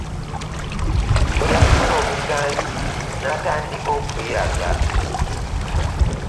Bwe yafuna obuganzi n'atandika okweraga.